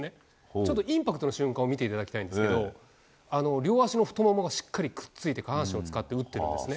ちょっとインパクトの瞬間を見ていただきたいんですけど両足の太ももがしっかりくっついて下半身を使って打ってるんですね。